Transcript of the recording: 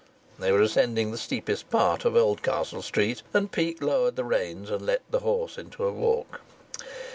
They were ascending the steepest part of Oldcastle Street, and Peake lowered the reins and let the horse into a walk.